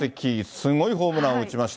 すごいホームランを打ちました。